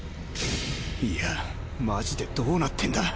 いやマジでどうなってんだ。